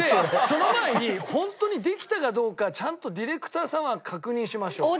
その前にホントにできたかどうかちゃんとディレクターさんは確認しましょう。